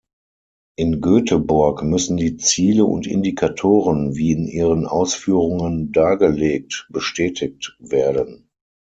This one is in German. In Göteborg müssen die Ziele und Indikatoren, wie in Ihren Ausführungen dargelegt, bestätigt werden.